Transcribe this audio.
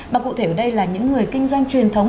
và cụ thể ở đây là những người kinh doanh truyền thống